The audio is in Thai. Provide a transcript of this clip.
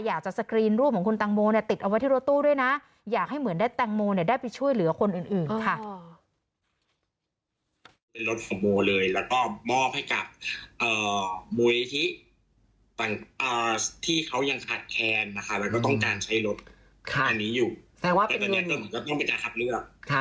อยากจะสครีนรูปของคุณตั้งโมติดเอาไว้ที่รถตู้ด้วยนะ